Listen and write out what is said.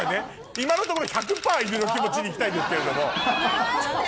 今のところ１００％『いぬのきもち』に行きたいんですけれども。